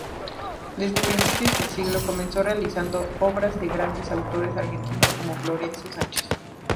Desde principios de siglo comenzó realizando obras de grandes autores argentinos como Florencio Sánchez.